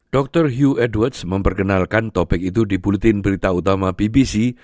dr hugh edwards memperkenalkan topik itu di bulletin berita utama bbc